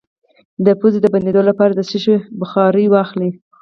د پوزې د بندیدو لپاره د څه شي بخار واخلئ؟